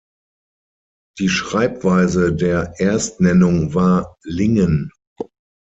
Die Schreibweise der Erstnennung war "Lingen".